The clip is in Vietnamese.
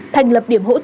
thành lập điểm hợp